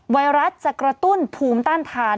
ไวรัสจะกระตุ้นภูมิต้านทาน